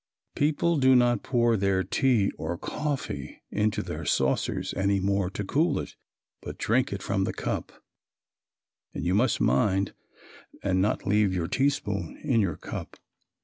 People do not pour their tea or coffee into their saucers any more to cool it, but drink it from the cup, and you must mind and not leave your teaspoon in your cup.